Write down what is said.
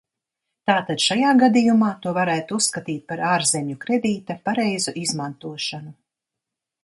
Tātad šajā gadījumā to varētu uzskatīt par ārzemju kredīta pareizu izmantošanu.